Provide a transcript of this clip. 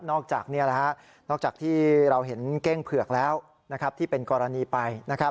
นอกจากที่เราเห็นเก้งเผือกแล้วที่เป็นกรณีไป